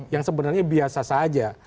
yang sebenarnya biasa saja